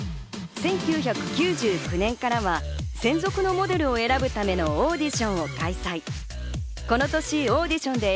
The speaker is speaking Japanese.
１９９９年からは専属のモデルを選ぶためのオーディションを開催。